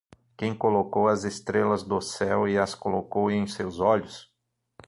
Quem colocou as estrelas do céu e as colocou em seus olhos?